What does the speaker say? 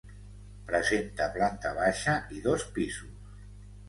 Presenta planta baixa i dos pisos.